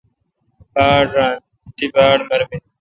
باڑ ران۔ تی باڑمربینی۔